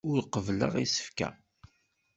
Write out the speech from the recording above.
Ur qebbleɣ isefka.